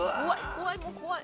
怖いもう怖い。